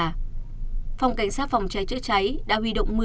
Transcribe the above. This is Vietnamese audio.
phòng cảnh sát phòng cháy chữa cháy đã huy động